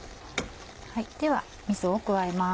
ではみそを加えます。